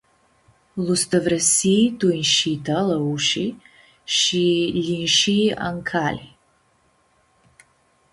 Lu-stãvrãsii tu inshita la ushi shi lji-inshii ãn cali.